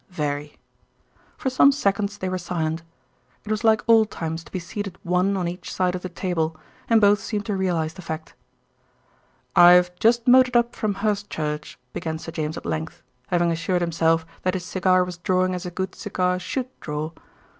"Very." For some seconds they were silent. It was like old times to be seated one on each side of a table, and both seemed to realise the fact. "I've just motored up from Hurstchurch," began Sir James at length, having assured himself that his cigar was drawing as a good cigar should draw.